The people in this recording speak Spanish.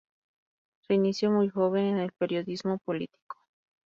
Se inició muy joven en el periodismo político.